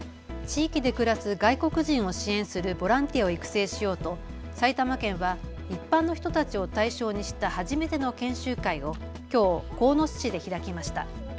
地域で暮らす外国人を支援するボランティアを育成しようと埼玉県は一般の人たちを対象にした初めての研修会をきょう鴻巣市で開きました。